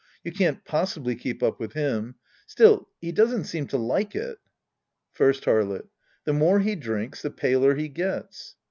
You can't possibly keep up with him. Still, he doesn't seem to like it. First Harlot. The more he drinks, the paler he gets.